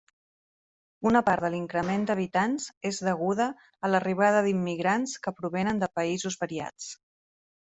Una part de l'increment d'habitants és deguda a l'arribada d'immigrants, que provenen de països variats.